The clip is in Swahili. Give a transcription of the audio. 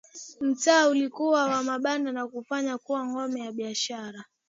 Mtaa uliokuwa wa mabanda na kuufanya kuwa ngome ya kibiashara